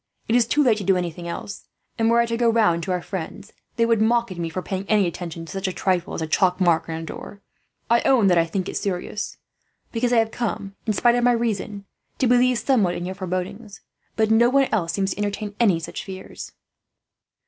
It is too late to do anything else and, were I to go round to our friends, they would mock at me for paying any attention to such a trifle as a chalk mark on a door. "I own that I think it serious, because I have come, in spite of my reason, to believe somewhat in your forebodings; but no one else seems to entertain any such fears."